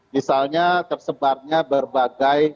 misalnya tersebarnya berbagai